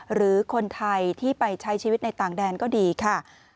หรือคนไทยที่ไปใช้ชีวิตในต่างแดนก็ดีค่ะ